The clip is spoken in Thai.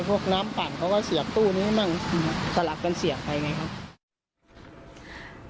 พวกน้ำปั่นเขาก็เสียบตู้นี้มั่งสลับกันเสียบไปไงครับ